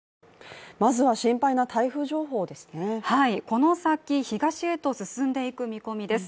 この先、東へと進んでいく見込みです。